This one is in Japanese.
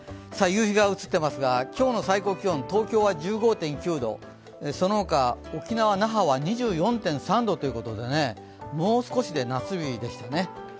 夕日が映っていますが今日の最高気温、東京は１５．９度、そのほか、沖縄・那覇は２４．３度ということでもう少しで夏日でしたね。